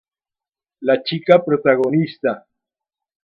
La chica protagonista.